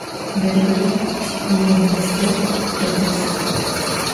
Nebgıre millionibğu fediz.